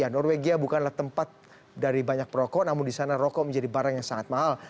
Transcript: norwegia bukanlah tempat dari banyak perokok namun di sana rokok menjadi barang yang sangat mahal